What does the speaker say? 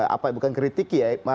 apa bukan kritik ya